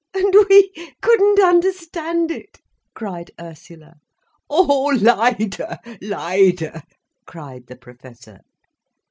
"And we couldn't understand it," cried Ursula. "Oh leider, leider!" cried the Professor.